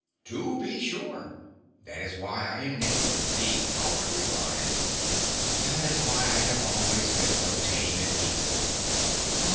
"To be sure. That is why I am named the Cowardly Lion. That is why I have always been so tame and peaceable.